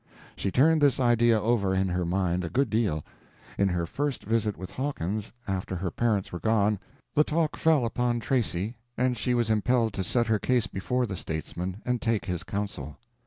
She turned this idea over in her mind a good deal. In her first visit with Hawkins after her parents were gone, the talk fell upon Tracy, and she was impelled to set her case before the statesman and take his counsel.